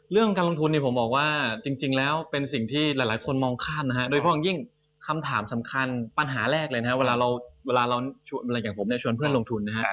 เรื่องการลงทุนนี่ผมบอกว่าจริงแล้วเป็นสิ่งที่หลายคนมองข้ามนะโดยพอคันยิ่งคำถามสำคัญข้ารากเลยที่ชวนเพื่อนลงทุน